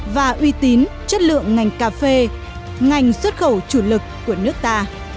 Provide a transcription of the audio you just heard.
và uy tín chất lượng ngành cà phê ngành xuất khẩu chủ lực của nước ta